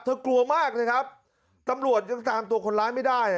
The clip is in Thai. กลัวมากเลยครับตำรวจยังตามตัวคนร้ายไม่ได้